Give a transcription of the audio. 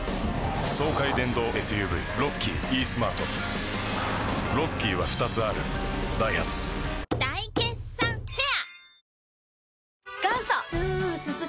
爽快電動ＳＵＶロッキーイースマートロッキーは２つあるダイハツ大決算フェア